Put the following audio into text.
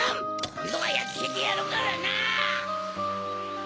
こんどはやっつけてやるからな！